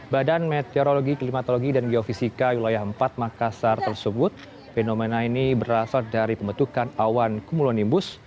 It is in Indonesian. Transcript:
badan meteorologi klimatologi dan geofisika wilayah empat makassar tersebut fenomena ini berasal dari pembentukan awan cumulonimbus